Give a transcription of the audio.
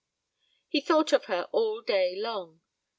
He thought of her all day long.